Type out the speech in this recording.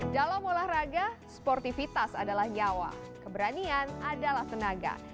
dalam olahraga sportivitas adalah nyawa keberanian adalah tenaga